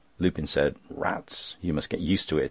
Lupin said: "Rats! You must get used to it.